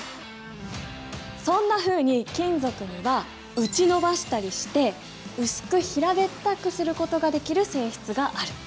そんなふうに金属には打ち延ばしたりして薄く平べったくすることができる性質がある。